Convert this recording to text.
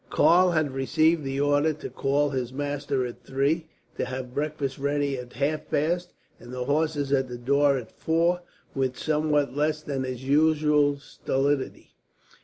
Karl had received the order to call his master at three, to have breakfast ready at half past, and the horses at the door at four, with somewhat less than his usual stolidity.